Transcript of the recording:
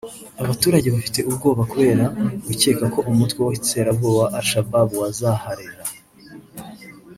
abaturage bafite ubwoba kubera gucyeka ko umutwe w’iterabwoba wa Al- Shabab wazaharera